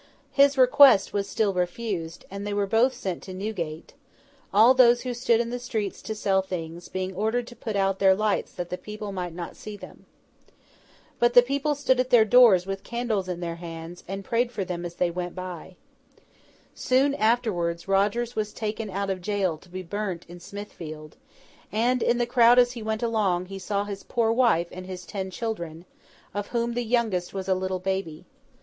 His request was still refused, and they were both sent to Newgate; all those who stood in the streets to sell things, being ordered to put out their lights that the people might not see them. But, the people stood at their doors with candles in their hands, and prayed for them as they went by. Soon afterwards, Rogers was taken out of jail to be burnt in Smithfield; and, in the crowd as he went along, he saw his poor wife and his ten children, of whom the youngest was a little baby.